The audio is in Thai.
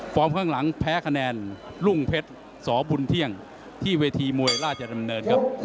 ข้างหลังแพ้คะแนนรุ่งเพชรสบุญเที่ยงที่เวทีมวยราชดำเนินครับ